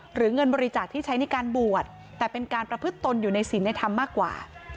หรือเงินบริจาคที่ใช้ในการบวชแต่เป็นการประพฤติตนอยู่ในศิลปในธรรมมากกว่า